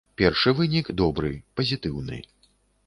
Першы вынік добры, пазітыўны.